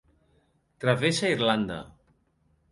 Travessa Irlanda.